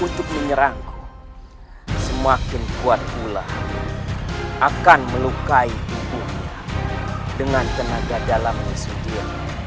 untuk menyerangku semakin kuat pula akan melukai ibu dia dengan tenaga dalam yang sedia